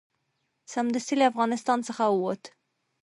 سمدستي له افغانستان څخه ووت.